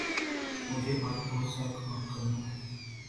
مجھے آج بہت سا کام کرنا ہے